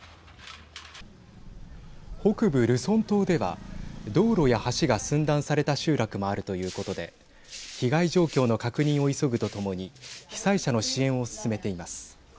北部ルソン島では道路や橋が寸断された集落もあるということで被害状況の確認を急ぐとともに被災者の支援を進めています。